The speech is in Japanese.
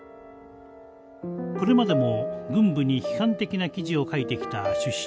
これまでも軍部に批判的な記事を書いてきた主筆